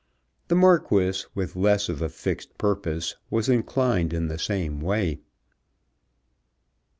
The Marquis, with less of a fixed purpose, was inclined in the same way.